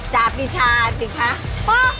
จากปีชาสิคะ